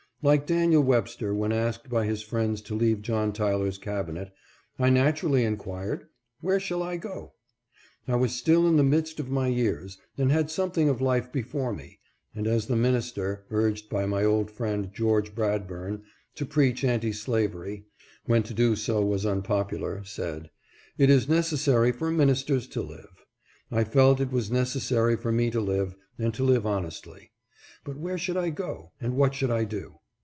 Like Daniel Webster, when asked by his friends to leave John Tyler's cabinet, I naturally inquired :" Where shall I go ?" I was still in the midst of my years, and had something of life before me, and as the minister (urged by my old friend George Bradburn to preach anti slavery, when to do so was unpopular) said, " It is necessary for ministers to live," I felt it was necessary for me to live, and to live honestly. But where should I go, and what should I do